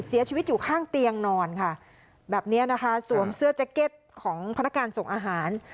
เสียชีวิตอยู่ข้างเตียงนอนค่ะแบบนี้นะคะสวมเสื้อแจ็คเก็ตของพนักการส่งอาหาร